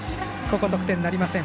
得点なりません。